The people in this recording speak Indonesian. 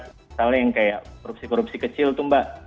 misalnya yang kayak korupsi korupsi kecil tuh mbak